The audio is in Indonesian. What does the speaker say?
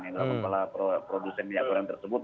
yang telah mengelola produksen minyak goreng tersebut